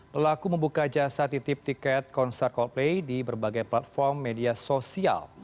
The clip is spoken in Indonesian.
pelaku membuka jasa titip tiket konser coldplay di berbagai platform media sosial